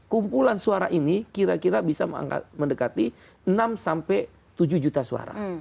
kumpulan suara ini kira kira bisa mendekati enam sampai tujuh juta suara